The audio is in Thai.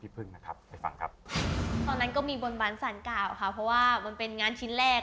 เพราะว่ามันเป็นงานชิ้นแรก